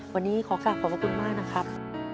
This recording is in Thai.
วันนี้ขอขากดบุญมากนะครับ